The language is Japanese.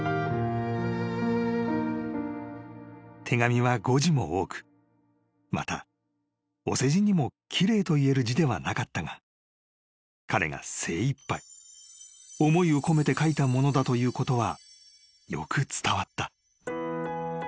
［手紙は誤字も多くまたお世辞にも奇麗と言える字ではなかったが彼が精いっぱい思いを込めて書いたものだということはよく伝わった］